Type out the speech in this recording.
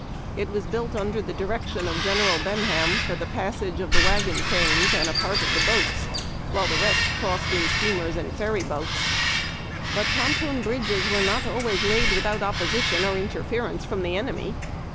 It was built under the direction of General Benham for the passage of the wagon trains and a part of the troops, while the rest crossed in steamers and ferry boats. But ponton bridges were not always laid without opposi tion or interference from the enemy.